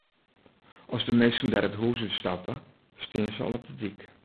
As de minsken dêr it hûs út stappe, stean se al op de dyk.